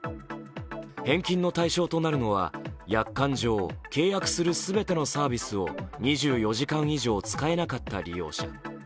返金の対象となるのは約款上、契約する全てのサービスを２４時間以上使えなかった利用者。